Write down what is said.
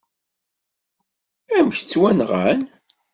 Amek ttwanɣan?